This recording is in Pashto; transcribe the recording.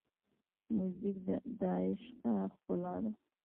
موزیک د عشقه ښکلا ده.